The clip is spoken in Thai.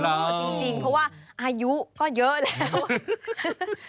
จริงเพราะว่าอายุก็เยอะแล้ว